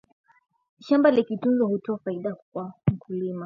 shamba likitunzwa hutoa faida kwa mkulima